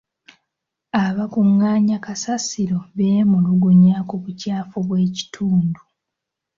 Abakungaanya kasasiro beemulugunya ku bukyafu bw'ekitundu.